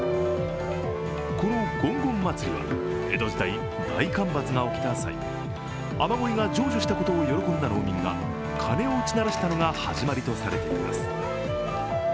このごんごん祭りは、江戸時代大干ばつが起きた際雨乞いが成就したことを喜んだ農民が鐘を打ち鳴らしたのが始まりとされています。